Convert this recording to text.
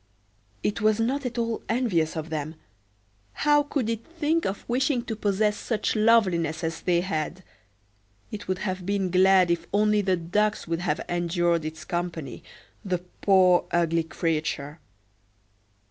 It was not at all envious of them. How could it think of wishing to possess such loveliness as they had? It would have been glad if only the ducks would have endured its company—the poor, ugly creature!